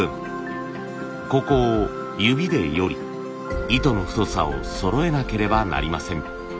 ここを指でより糸の太さをそろえなければなりません。